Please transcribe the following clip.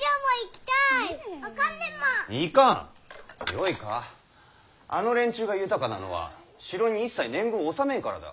よいかあの連中が豊かなのは城に一切年貢を納めんからだ。